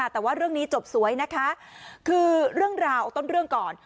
แต่ว่าเรื่องนี้จบสวยนะคะคือเรื่องราวต้นเรื่องก่อน